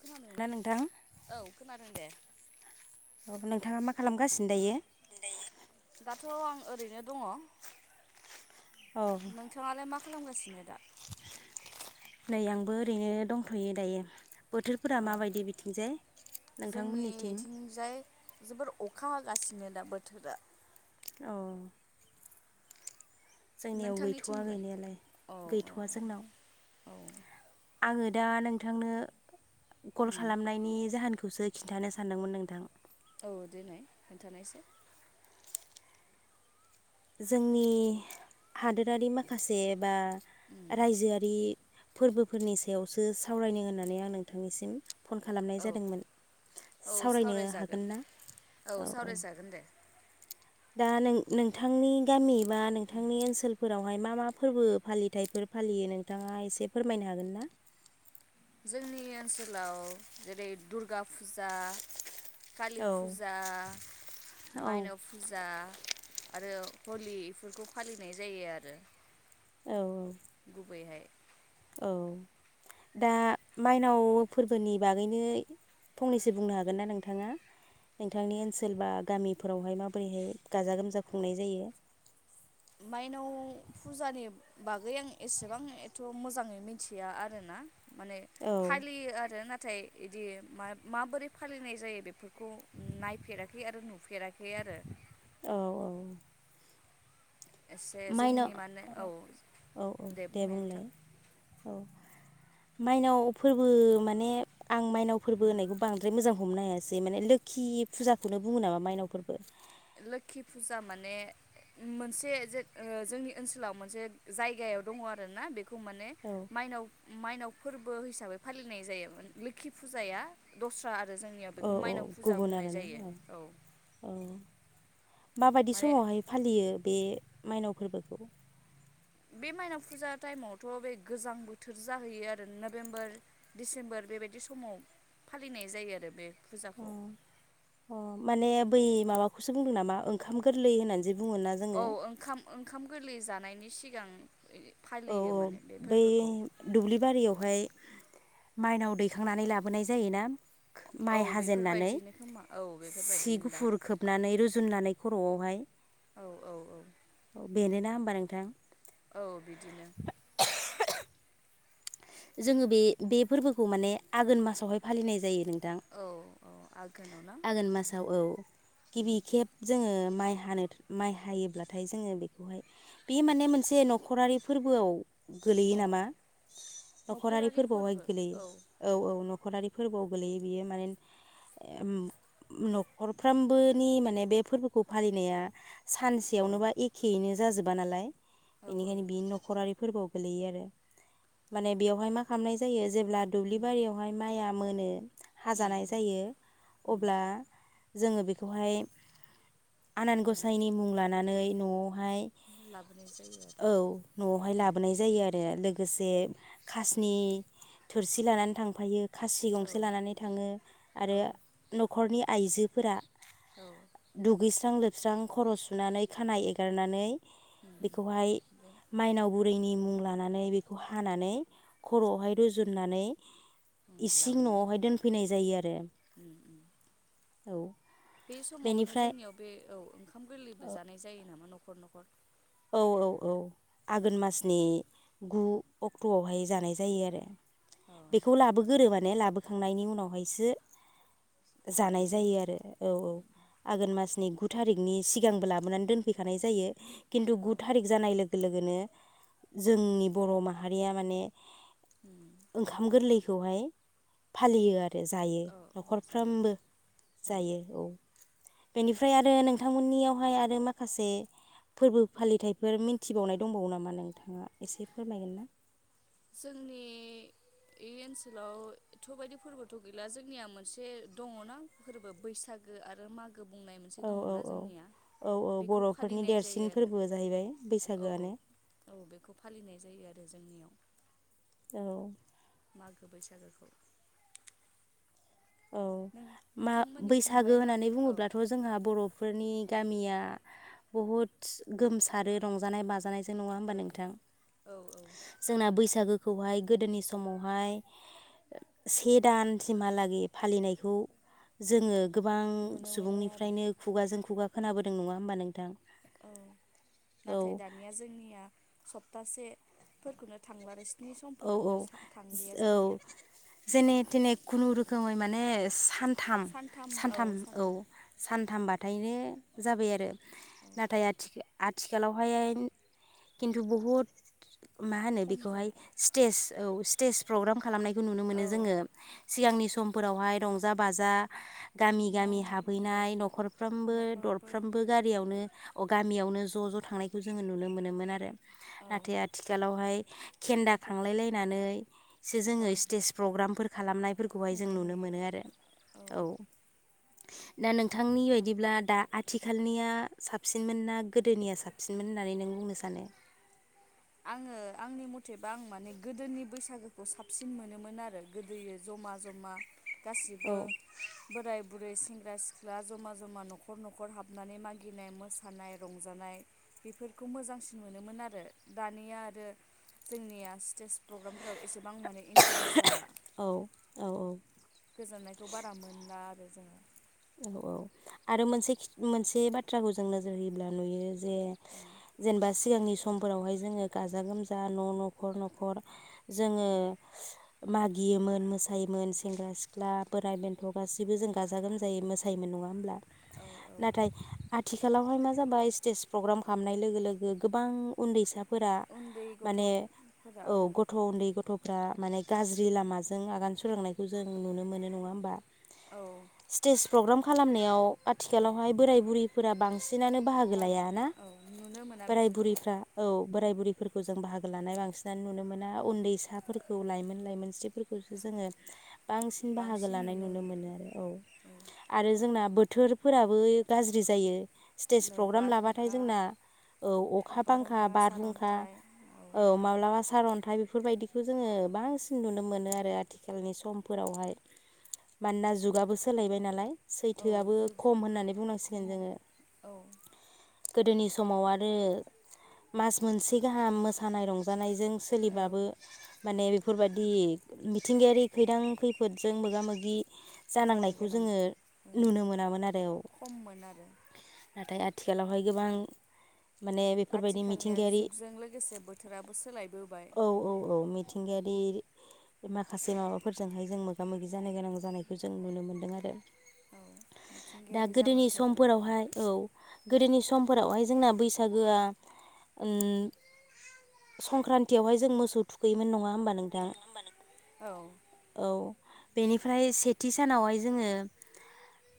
खोनादोंना ना नोंथां औ खोनादों दे अ नोंथाङा मा खालामगासिन दायो? दिनै दाथ' आं ओरैनो दङ औ नोंथाङालाय मा खालामगासिनो दा नै आंबो ओरैनो दंथ'यो दायो बोथोरफोरा माबायदि बिथिंजाय जोंनि इथिंजाय जोबोर अखा हागासिनो दा बोथोरा औ जोंनियाव गैथ'वा नोंथांनिथिंलाय गैनायालाय औ गैथ'वा जोंनाव औ आङो दा नोंथांनो कल उम खालामनायनि जाहोनखौसो खिन्थानो सानदोंमोन नोंथां औ देनाय खोन्थानायसाय जोंनि हादोरारि माखासे बा उम रायजोआरि फोरबोफोरनि सायावसो सावरायनो होननानै आं नोंथांनिसिम फन खालामनाय औ जादोंमोन औ सावरायनो सावरायजागोन हागोन ना औ औ सावरायजागोन दे दा नों नोंथांनि गामि बा नोंथांनि ओनसोल फोरावहाय मा मा फोरबो फालिथाइफोर फालियो नोंथाङा एसे फोरमायनो हागोनना जोंनि ओनसोलाव जेरै दुर्गा फुजा कालि औ फुजा औ माइनाव फुजा आरो हलि इफोरखौ फालिनाय जायो आरो औ औ गुबैहाय औ दा माइनाव फोरबोनि बागैनो फंनैसो बुंनो हागोनना नोंथाङा नोंथांनि ओनसोल बा गामिफोरावहाय माबोरैहाय गाजा गोमजा खुंनाय जायो माइनाव फुजानि बागै आं एसेबां एथ मोजाङै मिथिया आरोना माने औ फालियो आरो ना ‌ थाय इदि मा- माबोरै फालिनाय जायो बेफोरखौ नायफेराखै आरो नुफेराखै आरो औ औ एसे जोंनि माइनाव माने औ औ दे बुंनाय बुंलाय नोंथां औ माइनाव फोरबो माने आं माइनाव फोरबो होननायखौ बांद्राय मोजां हमनो हायासै माने लोखि फुजाखौनो बुंङो नामा मायनाव फोरबो। लोखि फुजा माने मोनसे जोंनि ओनसोलाव मोनसे जायगायाव दंङ आरोना बे खौ माने औ माइनाव माइनाव फोरबो हिसाबै फालिनाय जायोमोन लोखि फुजाया दस्रा आरो। आरो जोंनियाव औ बेखौ औ मायनाव फुजा गुबुन बुंनाय आरोना जायो औ। औ माबायदि माने समावहाय फालियो? बे माइनाव फोरबोखौ। बे माइनाव फुजा टाइमावथ' बे गोजां बोथोर जाहैयो आरो नभेम्बर डिसेम्बर बेबायदि समाव फालिनाय जायो आरो बे। अ फुजाखौ। अ माने बै माबाखौसो बुंदों नामा ओंखाम गोरलै होननानै जे बुङोना जोङो औ ओंखाम ओंखाम गोरलै जानाय। जानायनि सिगां। औ फालियो औ माने बे बै फोरबोखौ दुब्लि बारियावहाय। माइनाव दैखांनानै लाबोनाय जायोना। औ माइ हाजेनन्नानै बेफोरबायदिनो खोमा औ सि बेफोरबायदिनोदां गुफुर खोबनानै रुजुननानै खर'आवहाय। औ औ औ। बा नोंथां। औ बिदिनो। जोंङो बे बे फोरबोखौ माने आघोन मासावहाय फालिनाय जायो। थां औ औ आघोनाव ना आगोन मासाव औ गिबि केस जोङो। माइ हानो माइ हायोब्लाथाय जोंङो बेखौहाय बे माने मोनसे न'खरारि फोरबोआव गोलैयो औ नामा। न'खरारि फोरबोआवहाय गोलैयो औ औ। न'खरारि फोरबोआव गोलैयो बियो माने उम न'खरफ्रामबोनि माने बे फोरबोखौ फालिनाया। औ सानसेयावनोबा एखेयैनो जाजोब बा नालाय। औ बेनिखायनो बि न'खरारि फोरबोआव गोलैयो आरो माने बेयावहाय मा खालामनाय जायो जेब्ला दुब्लि उम बारियावहाय माइ आ मोनो। उम हाजानाय जायो उम अब्ला जोंङो बेखौहाय आनान उम गसाइनि मुं लानानै न' बेहाय उम लाबोनाय जायो आरो औ न'आवहाय उम लाबोनाय जायो आरो लोगोसे खासनि थोरसि लानानै थांफायो खासि गंसे औ लानानै थांङो आरो औ न'खरनि आइजोफोरा औ दुगै सो खां लोबस्रां खर' सुनानै खानाया एगारनानै उम बेखौहाय बे माइनावबो बेनि मुं लानानै बेखौ हानानै खर'आवहाय रुजुननानै उम इसिं लाबोनाय न'आवहाय जायो दोनफैनाय जायो आरो उम उम औ बे समावनो बेनिफ्राय जोंनियाव बे औ ओंखाम गोरलैबो जानाय जायो नामा न' न'खर न'खर औ औ औ आघोन औ मासनि गु अक्ट'आवहाय जानाय जायो आरो औ बेखौ लाबोगोरो मोन ने लाबोखांनायनि उनावहायसो जानाय जायो आरो औ औ उम आघोन मासनि गु थारिखनि सिगांबो लाबोनान दोनफैखानाय जायो खिन्थु गु औ थारिख जानाय लोग लोगो लोगोनो जोंनि बर' माहारिया माने उम ओंखाम गोरलै खौहाय फालियो आर रो जायो औ जायो न'खरफ्रोमबो उम जायो औ बेनिफ्राय आरो नोंथांमोननियावहाय आरो माखासे फोरबो फालिथायाइफोर मिथिबावनाय दंबावो नामा नोंथाङा एसे फोरमायगोन ना? जोंनि इ ओनसोलाव एथ' बायदि फोरबोथ' गैला जोंनिया मोनसे दङना फोरबो बैसागो आरो मागो बुंनाय मोनसे औ औ दङना औ जोंनिया औ औ बेखौ बर'फोरनि फालिनाय देरसिन जायो आरो फोरबो जाहैबाय औ बैसागोआनो औ बेखौ फालिनाय जायो आरो जोंनियाव औ मागो बैसागोखौ औ नों मा बैसागो नोंथांमोननिथिंलाय मा होननानै औ बुङोब्लाथ' जोंहा बर'फोरनि गामिया बहुद गोमसारो रंजानाय बाजानाय नङा होमबा औ नोंथां? औ औ जोंना बैसागो खौहाय गोदोनि समावहाय से दानसिमहालागै फालिनायखौ जोङो गोबां नुनो मोनो आरो सुबुंनिफ्रायनो खुगाजों खुगा खोनाबोदों नङा होमबा नोंथां? औ नाथाय औ दानिया जोंनिया सप्तासे फोरखौनो थांला आरो स्नि औ औ समफोरखौनो थांलिया औ जोंनिया जेने थेने खुनुरुखैमै माने सान थाम सानथाम औ सानथामबा थायनो जाबाय आरो औ नाथाय आ आथिखालावहाय खिन्थु बहुद मा होनो खम बेखौहाय जाबाय स्टेज औ स्टेज प्रग्राम खालामनायखौ नुनो मोनो औ जोङो सिगांनि स समफोरावहाय रंजा बाजा गामि न' गामि न' औ हाबहैनाय न'खरफ्रामबो न'खरफोर दरफ्रामबो गारियावनो अ गामियावनो ज ज थांनायखौ जोङो नुनो मोनोमोन आरो औ नाथाय आथिखालावहाय केेन्दा थांलाय बेफोरखौ लायनानैसो जोङो स्टेज प्रग्रामफोर खालामनायफोरखौहाय जों खुंनाय नुनो नुयो मोनो आरो औ दा नोंथांनि बायदिब्ला दा आथिखालनिया साबसिनमोन ना गोदोनिया साबसिनमोन होननानै नों बुंनो सानो? आङो आंनि मथेबा आं माने गोदोनि बैसागोखौ साबसिन मोनोमोन आरो गोदोयो जमा जमा गासिबो औ बोराय बुरै सें [inaudible] सेंग्रा सिख्ला जमा जमा न'खर न'खर हाबनानै मागिनाय मोसानाय रंजानाय बेफोरखौ मोजांसिन मोनोमोन आरो दानिया आरो जोंनिया स्टेज प्रग्रामफोराव एसेबां माने इन्टारेस्ट जाला औ औ गोजोननायखौ बारा मोनला आरो जोङो। औ औ आरो मोनसे मोनसे बाथ्राखौ जों नोजोर होयोब्ला नुयो जे ओं जेनेबा सिगांनि समफोरावहाय जोङो गाजा गोमजा न' न'खर न'खर जोङो मागियोमोन मोसायोमोन सेंग्रा सिख्ला बोराइ बेन्थ' गासैबो जों गाजा गोमजा जायै मोसायोमोन नङा होमब्ला? औ औ नाथाय आ थिखालावहाय मा जाबाय स्टेज प्रग्राम खालामनाय लोगो लोगो गोबां उन्दैसा फोरा उन्दै माने गथ'फोरा औ गथ' उन्दै गथ'फ्रा माने गाज्रि लामाजों आगान सुरांनायखौ जों नुनो मोनो नङा होमबा? औ स्टेज प्रग्राम खालामनायाव आथिखालावहाय बोराय बुरैफोरा बांसिन नानो बाहागो बारा लाया ना औ नुनो मोना बोराइ बिसोरखौ बुरैफ्रा औ बोराइ बुरैफोरखौ जों बाहागो लानाय बांसिनानो नुनो मोना उन्दैसाफोरखौ लाइमोन लाइमोनस्रिफोरखौसो जोङो बांसिन बाहागो लानाय नुनो मोनो आरो औ। आरो जोंना बोथोरफोराबो गाज्रि जायो। औ स्टेज प्रग्राम लाबाथाय बारहुंखा जोंना औ अखा बांखा बारहुंखा बारहुंखा सारअन्थाइ औ माब्लाबा सारन्थाइ बे फोरबायदिखौ जोङो बांसिन नुनो मोनो आरो आथिखालनि समफोरावहाय मानोना जुगाबो सोलायबाय नालाय औ सैथोआबो जुग खम होननानै बुंनांसिगोन खम जोङो औ गोदोनि समाव आरो मास मोनसे गाहाम मोसानाय रंजानायजों औ सोलिबाबो माने बे फोरबायादि मिथिंगायारि खैदान खैफोदजों मोगा मोगि जानो जानांनाय खौ गोनां जोङो उम नुनो मोनामोन आरो औ खममोन आरो नाथाय आ आथिखालावहाय गोबां। माने बेफोरबायदि आथिखालनिया मिथिंगायारि जुगजों लोगोसे बोथोराबो सोलायबोबाय। औ औ औ मिथिंगायारि माखासे माबाफोरजोंहाय जों मोगा मोगि जानो गोनां जानायखौ जों नुनो मोनो। नो आरो। औ दा मिथिंगायारि गोदोनि जाब्रबथायफोरा समफोरावहाय औ। गोदोनि समफोरावहाय जोंना बैसागोआ संक्रांन्तियावहाय जों मोसौ थुखैयोमोन नङा। औ होमबा नोंथां औ औ। बेनिफ्राय सेथि सानावहाय। जोङो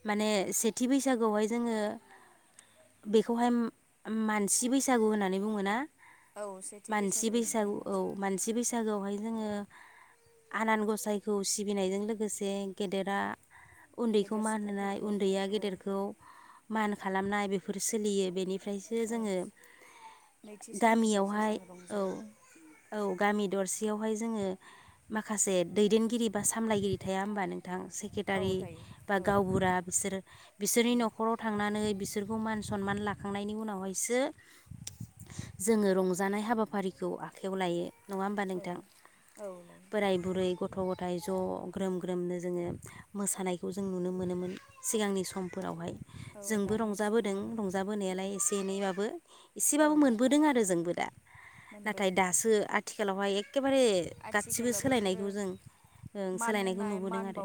माने सेथि बैसागुआवहाय जोङो बेखौहाय मानसि बैसागु होननानै बुङोना। औ सेथि मानसि बैसागोनिफ्राय बैसागु औ मानसि बैसागुआवहाय। जोङो आनान गसायखौ सिबिनायजों लोगोसे गेदेरा। उन्दैखौ गेदेर मान होनाय सुबुंफोरखौ उन्दैया औ गेदेरखौ मान। खालामनाय बेफोर सोलियो बेनि। ओमफ्रायसो औ जोङो नैथि साननिफ्रायसो गामियावहाय जों औ रंजायो औ। गामि दरसेयावहाय जोङो माखासे दैदेनगिरि बा सामलायगिरि थाया होमबा नोंथां। औ टारि दायो बा औ गावबुरा बिसोर बिसोरनि उम नखराव थांनानै बिसो। सोरखौ मान सनमान लाखांनायनि उनावहायसो जोङो रंजानाय हाबाफारिखौ आखाइायाव लायो। नङा होमबा औ नोंथां औ लायो बोराय बुरै। गथ गथायाइ ज ग्रोम ग्रोमनो जोङो। मोसानायखौ जों नुनो मोनोमोन सिगांनि समफोरावहाय औ जोंबो दानि समाव रंजाबोदों आरो उम रंजाबोनायालाय एसे एनैबाबो एसेबाबो ओं मोनबोदों आरो जोंबो दा नाथाय मोनबोदों दासो आथिखालावहाय एखेबारे गासिबो आथिखालाव बेफोरो सोलायनायखौ जों ओं सोलायनायखौ नुबोदों आरो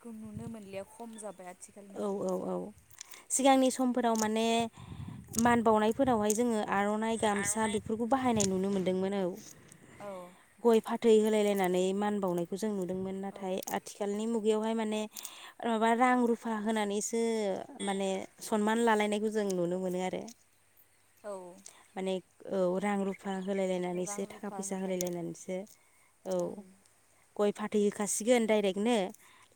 खौ नुनो मोनलिया खम जाबाय आथिखाल औ जुग आव औ औ सिगांनि समफोराव माने मान बावनायफोरावहाय जोङो आर'नाइ गामसा आर'नाइ बेफोरखौ बाहायनाय नुनो मोनदोंमोन औ औ थै होलाय लायनानै मान बावनायखौ जों नुदोंमोन औ नाथाय आथिखालनि मु बेयाव हाय माने ओ माबा रां रुफ रुफा होनानैसो माने सनमान लालायनायखौ जों नुनो मोनो आरो औ माने औ रां रु फा होलाय रां लायनानैसो थाखा रुफा फैसा होलाय लायनानैसो औ ओं गय फाथ दै होखासिगोन डाइरेक्ट नो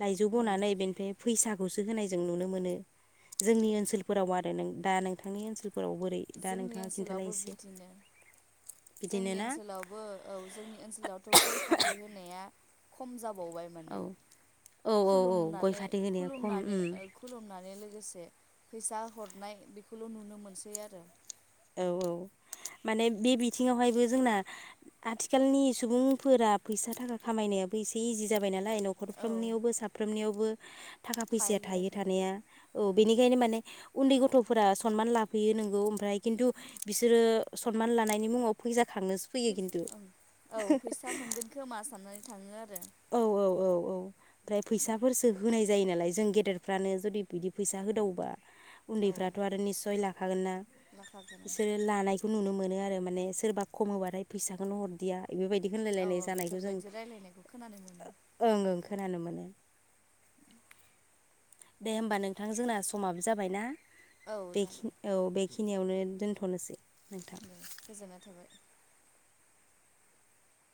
लायजौ उम बननानै बेनिफ्राय फैसा खौसो होनाय जों नुनो मोनो जोंनि ओनसोलफोराव आरो दा नोंथांनि ओनसोल फोराव बोरै दा जोंनि नोंथाङा खिन्थालाय ओनसोलावबो एसे बिदिनो बिदिनो जोंनि ना ओनसोलावबो औ जोंनि ओनसोलावथ' गय फाथै होनाया खम जाब बाव बाय औ माने औ औ औ गय खुुलुमनानै फाथै होनाया खम खुलुमनानै उम ओ खुलुमनानै लोगोसे बे फैसा हरनाय बेखौल' नुनो मोनसै आरो। औ औ माने बे बिथिङावहायबो जोंना आथिखालनि सुबुंफोरा फैसा थाखा खामायनायाबो एसे इजि जाबाय नालाय। लाय औ न'खरफ्रोमनियावबो साफ्रोमनियावबो। थाखा फैसाया थायो थानाया औ उम बेनिखायनो माने उन्दै गथ'फोरा सनमान लाफैयो नोंगौ ओमफ्राय खिन्थु बिसोरो सनमान लानायनि मुंङाव फैजा फैसा ओं औ फैसा मोनगोन खोमा साननानै थाङो आरो। औ औ औ औ। ओमफ्राय फैसाफोरसो होनाय जायो नालाय जों गेदेरफ्रानो जुदि बिदि फैसा होदावबा औ उन्दैफ्राथ' आरो निसय लाखागोन ना लाखा गोनां बिसोर लानायखौ नुनो मोनो आरो माने सोरबा खम होबाथाय फैसाखौनो हरदिया। बेफोरबायदि औ होनलायलायनाय औ जानायखौ जों बेफोरबायदि रायलायनायखौ खोनानो मोनो ओं ओं। खोनानो मोनो। दे होमबा नोंथां जोंना समाबो जाबाय ना। औ बे खि जागोन औ बे। बेखिनियावनो दोनथ'नोसै। नोंथां दे गोजोननाय थाबाय।